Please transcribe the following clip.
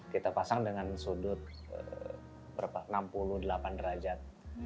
kita pasang dengan sudut enam puluh delapan derajat